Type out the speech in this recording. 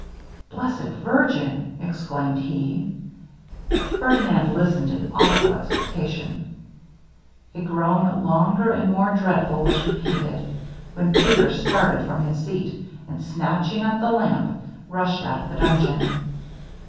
'Blessed virgin!' exclaimed he: Ferdinand listened in awful expectation. A groan longer and more dreadful was repeated, when Peter started from his seat, and snatching up the lamp, rushed out of the dungeon.